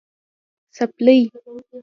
🩴څپلۍ